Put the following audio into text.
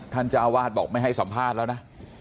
เจ้าอาวาสบอกไม่ให้สัมภาษณ์แล้วนะ